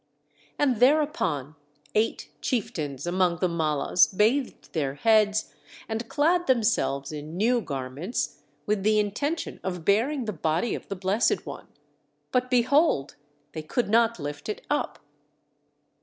And thereupon eight chieftains among the Mallas bathed their heads, and clad themselves in new garments with the intention of bearing the body of the Blessed One. But, behold, they could not lift it up!